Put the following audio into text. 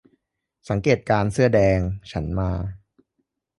สังเกตการณ์เสื้อแดง ฉันมา